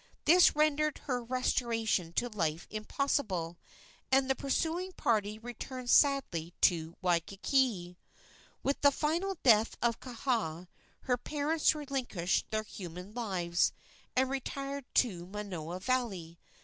This rendered her restoration to life impossible, and the pursuing party returned sadly to Waikiki. With the final death of Kaha her parents relinquished their human lives and retired to Manoa Valley.